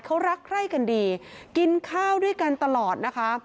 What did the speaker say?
เขารักใคร่กันดีกินข้าวด้วยกันตลอดนะคะ